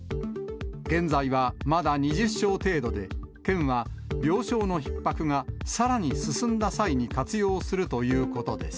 現在はまだ２０床程度で、県は、病床のひっ迫がさらに進んだ際に活用するということです。